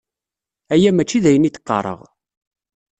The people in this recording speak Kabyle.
Aya mačči d ayen i d-qqaṛeɣ.